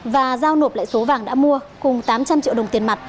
và giao nộp lại số vàng đã mua cùng tám trăm linh triệu đồng tiền mặt